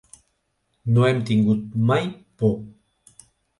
No hem tingut mai por.